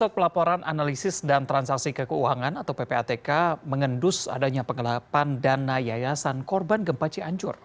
pelaporan analisis dan transaksi ke keuangan atau ppatk mengendus adanya pengelapan dana yayasan korban gempa cianjur